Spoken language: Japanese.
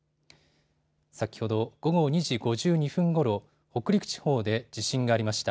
先ほど午後２時５２分ごろ北陸地方で地震がありました。